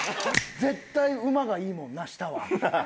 絶対馬がいいもんな下は。